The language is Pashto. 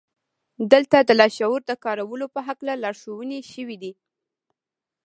دلته د لاشعور د کارولو په هکله لارښوونې شوې دي